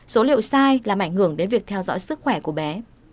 số liệu sai làm ảnh hưởng đến việc theo dõi sức khỏe của bé